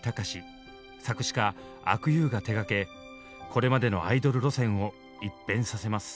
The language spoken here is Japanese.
作詞家阿久悠が手がけこれまでのアイドル路線を一変させます。